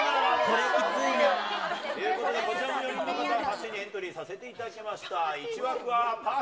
これ、きついな。ということで４人を勝手にエントリーさせていただきました。